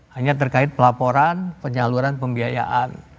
hanya terkait pelaporan penyaluran pembiayaan